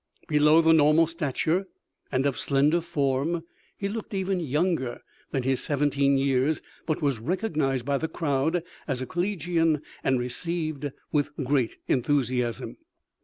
Below the normal stature and of slender form, he looked even younger than his seventeen years, but was recognized by the crowd as a collegian and received with great enthusiasm.